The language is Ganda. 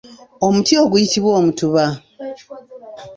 Omuti oguyitibwa omutuba.